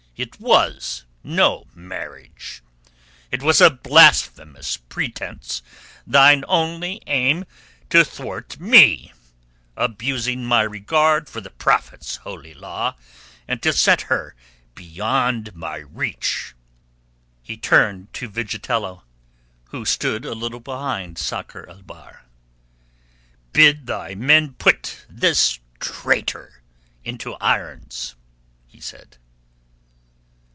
It was no marriage. It was a blasphemous pretence, thine only aim to thwart me, abusing my regard for the Prophet's Holy Law, and to set her beyond my reach." He turned to Vigitello, who stood a little behind Sakr el Bahr. "Bid thy men put me this traitor into irons," he said.